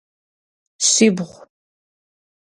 Шъибгъу.